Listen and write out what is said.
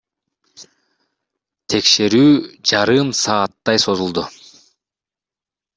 Текшерүү жарым сааттай созулду.